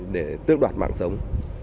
để tước đoạt mạng sống